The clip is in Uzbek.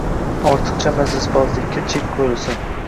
Ortiqcha majlisbozlikka chek qoʻyilsin